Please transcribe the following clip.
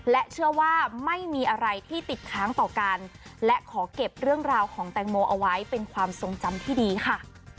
และเชื่อว่าไม่มีอะไรที่ติดค้างต่อกันและขอเก็บเรื่องราวของแตงโมเอาไว้เป็นความทรงจำที่ดีค่ะ